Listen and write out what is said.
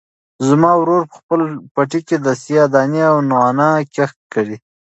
زما ورور په خپل پټي کې د سیاه دانې او نعناع کښت کړی.